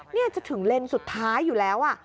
นี่จะถึงเลนส์สุดท้ายอยู่แล้ว